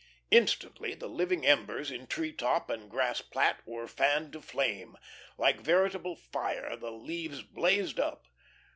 Instantly the living embers in tree top and grass plat were fanned to flame. Like veritable fire, the leaves blazed up.